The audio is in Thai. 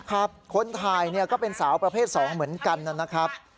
ครับคนทายก็เป็นสาวประเภทสองเหมือนกันน่ะนะครับ